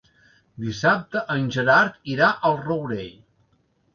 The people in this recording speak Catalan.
Dissabte en Gerard irà al Rourell.